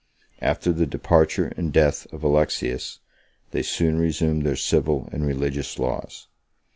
After the departure and death of Alexius, they soon resumed their civil and religious laws.